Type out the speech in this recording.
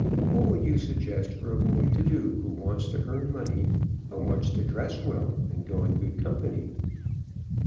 What would you suggest for a boy to do who wants to earn money, but wants to dress well and go in good company."